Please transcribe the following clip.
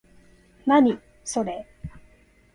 何、それ？